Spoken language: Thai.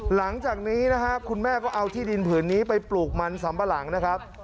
หลังจากนี้นะฮะคุณแม่ก็เอาที่ดินผืนนี้ไปปลูกมันสำปะหลังนะครับ